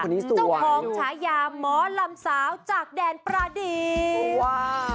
เจ้าของฉายาหมอลำสาวจากแดนประดิษฐ์